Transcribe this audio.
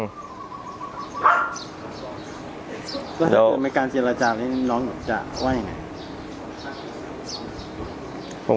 แล้วถ้าเกิดไม่การเจรจาแล้วน้องจะว่าอย่างไร